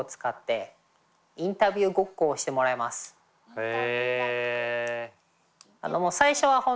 へえ。